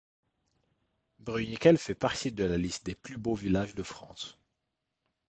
Bruniquel fait partie de la liste des plus beaux villages de France.